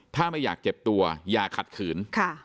ถ้าไม่อยากเจ็บตัวอย่าขัดขืน